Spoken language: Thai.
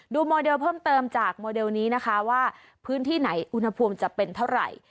โมเดลเพิ่มเติมจากโมเดลนี้นะคะว่าพื้นที่ไหนอุณหภูมิจะเป็นเท่าไหร่